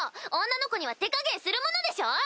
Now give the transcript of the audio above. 女の子には手加減するものでしょう？